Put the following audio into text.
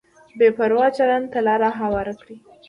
بې پروا چلند ته لار هواره کړي.